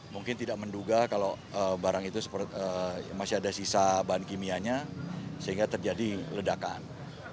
mungkin tidak menduga kalau barang itu masih ada sisa bahan kimianya sehingga terjadi ledakan